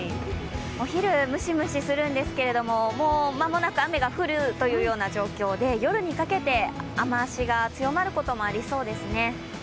お昼、ムシムシするんですけどもう間もなく雨が降るというような状況で夜にかけて雨足が強まることもありそうですね